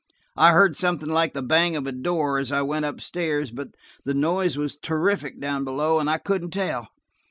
I heard something like the bang of a door as I went upstairs, but the noise was terrific down below, and I couldn't tell.